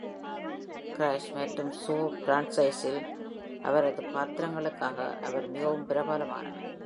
"Crash" மற்றும் "Saw" பிரான்சைஸில் அவரது பாத்திரங்களுக்காக அவர் மிகவும் பிரபலமானவர்.